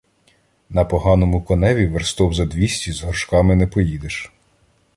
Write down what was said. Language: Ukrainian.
На поганому коневі верстов за двісті з горшками не поїдеш.